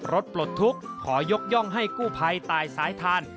ปลดทุกข์ขอยกย่องให้กู้ภัยตายสายทาน